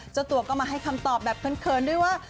เจ้าตัวก็มาให้คำตอบแบบเขินด้วยว่า